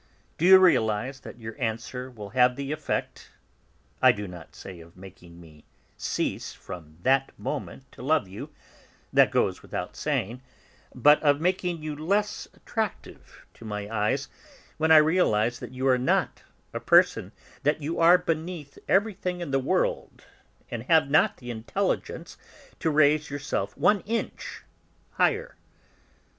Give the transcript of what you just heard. Do you realise that your answer will have the effect I do not say of making me cease from that moment to love you, that goes without saying, but of making you less attractive to my eyes when I realise that you are not a person, that you are beneath everything in the world and have not the intelligence to raise yourself one inch higher?